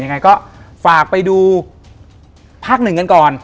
ยังไงก็ฝากไปดูภาคหนึ่งกันก่อน